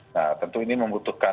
nah tentu ini membutuhkan